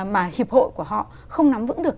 mà hiệp hội của họ không nắm vững được